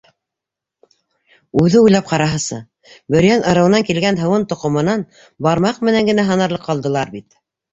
Үҙе уйлап ҡараһасы, Бөрйән ырыуынан килгән Һыуын тоҡомонан бармаҡ менән генә һанарлыҡ ҡалдылар бит.